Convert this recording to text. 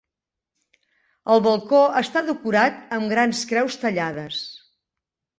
El balcó està decorat amb grans creus tallades.